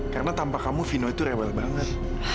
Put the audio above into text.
karena tanpa kamu vino itu rewel banget